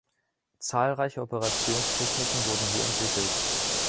Zahlreiche Operationstechniken wurden hier entwickelt.